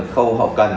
khâu hậu cần